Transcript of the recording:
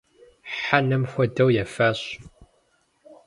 Хьэнэм хуэдэу ефащ.